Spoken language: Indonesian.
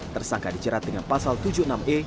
tersangka dijerat dengan pasal tujuh puluh enam e